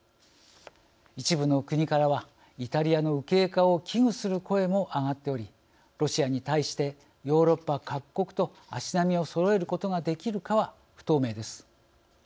一部の国からはイタリアの右傾化を危惧する声も上がっておりロシアに対してヨーロッパ各国と足並みをそろえることができるかは不透明です。